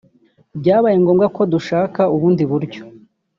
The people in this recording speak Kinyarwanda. byabaye ngombwa ko dushaka ubundi buryo